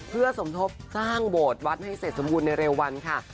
เพื่อสมทบสร้างโบสถ์วัดให้เสร็จสมบูรณ์ในเร็ววันค่ะ